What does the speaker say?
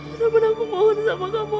terima kasih aku mohon sama kamu